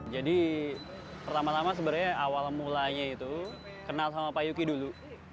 jadi pertama tama sebenarnya awal mulanya itu kenal sama pak yuki dulu